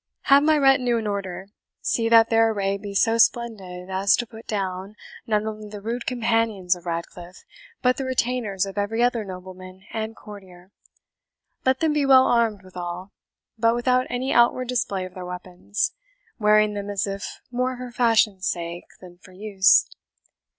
Have my retinue in order see that their array be so splendid as to put down, not only the rude companions of Ratcliffe, but the retainers of every other nobleman and courtier. Let them be well armed withal, but without any outward display of their weapons, wearing them as if more for fashion's sake than for use.